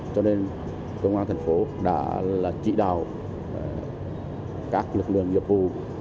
cho nên công an thành phố đã trị đào các lực lượng nhiệm vụ